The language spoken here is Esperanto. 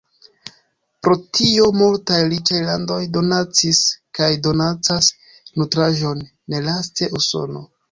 Pro tio multaj riĉaj landoj donacis kaj donacas nutraĵon, nelaste Usono.